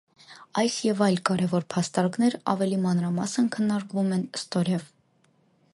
Այս և այլ կարևոր փաստարկներ ավելի մանրամասն քննարկվում են ստորև։